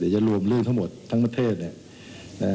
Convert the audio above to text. จะรวมเรื่องทั้งหมดทั้งประเทศเนี่ย